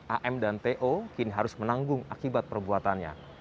am dan to kini harus menanggung akibat perbuatannya